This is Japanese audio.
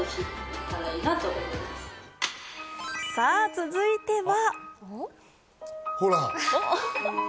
続いては。